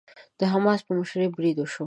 د حماس په مشرۍ بريد وشو.